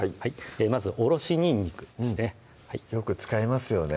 まずおろしにんにくですねよく使いますよね